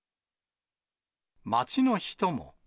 街の人も。